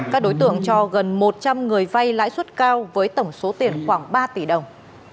các đối tượng cho gần một trăm linh người vay lãi suất cao với tổng số tiền khoảng ba tỷ đồng